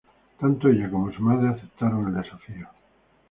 Tanto ella como su madre aceptaron el desafío.